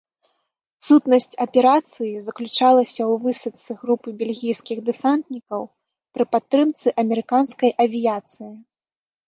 Сутнасць аперацыі заключалася ў высадцы групы бельгійскіх дэсантнікаў пры падтрымцы амерыканскай авіяцыі.